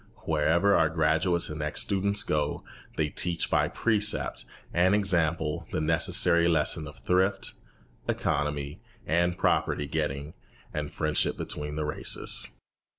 Wherever our graduates and ex students go, they teach by precept and example the necessary lesson of thrift, economy, and property getting, and friendship between the races.